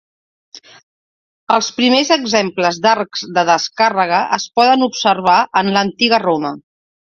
Els primers exemples d'arcs de descàrrega es poden observar en l'antiga Roma.